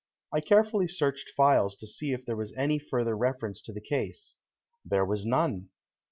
I carefully searched files to see if there was any further reference to the case. There was none.